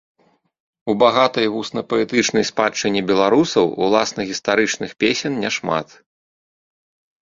У багатай вуснапаэтычнай спадчыне беларусаў уласна гістарычных песен няшмат.